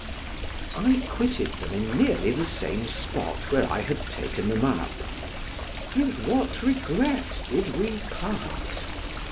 I quitted them in nearly the same spot where I had taken them up. With what regret did we part!